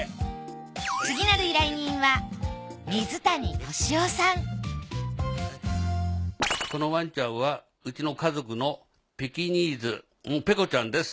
次なるこのワンちゃんはうちの家族のペキニーズペコちゃんです。